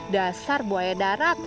dasar buaya darat